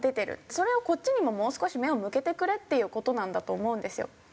それをこっちにももう少し目を向けてくれっていう事なんだと思うんですよ。